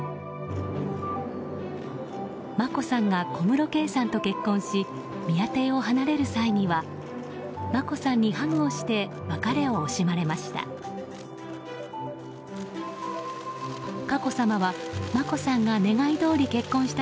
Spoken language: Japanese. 眞子さんが小室圭さんと結婚し宮邸を離れる際には眞子さんにハグをして別れを惜しまれました。